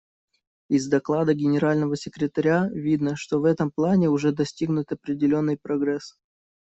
Из доклада Генерального секретаря видно, что в этом плане уже достигнут определенный прогресс.